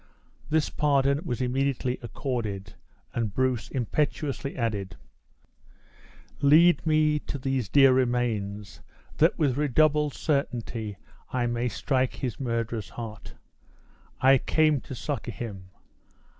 This pardon was immediately accorded; and Bruce impetuously added: "Lead me to these dear remains, that with redoubled certainty I may strike his murderer's heart! I came to succor him.